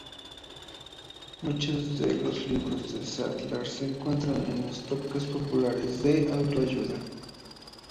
Muchos de los libros de Sadler se encuentran en los tópicos populares de autoayuda.